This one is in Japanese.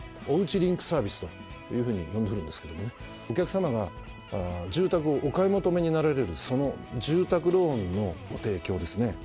「おうちリンクサービス」というふうに呼んでるんですけどもねお客さまが住宅をお買い求めになられるその住宅ローンのご提供ですね。